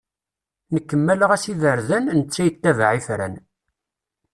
Nekk mmaleɣ-as iberdan, netta yettabaε ifran.